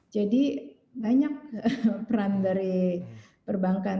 jadi banyak peran dari perbankan bisa untuk membantu